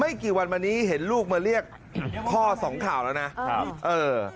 กี่วันมานี้เห็นลูกมาเรียกพ่อสองข่าวแล้วนะครับเออ